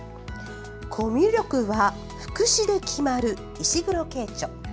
「コミュ力は「副詞」で決まる」石黒圭著。